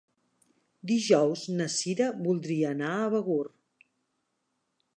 Dijous na Cira voldria anar a Begur.